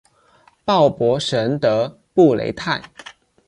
鲍博什德布雷泰。